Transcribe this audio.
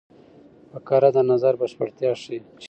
فقره د نظر بشپړتیا ښيي.